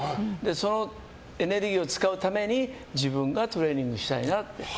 そのエネルギーを使うために自分がトレーニングしたいなって。